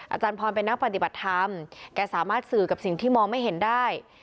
อาจารย์พรเป็นนักปฏิบัติธรรมแกสามารถสื่อกับสิ่งที่มองไม่เห็นได้